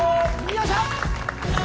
よっしゃ！